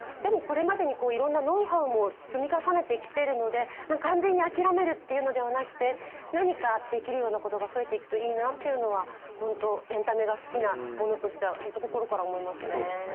これまでにいろいろなノウハウも積み重ねてきているので、完全に諦めるというのではなくて何かできるようなことが増えていくといいなというのはエンタメが好きな者として心から思いますね。